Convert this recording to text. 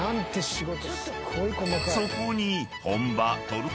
［そこに］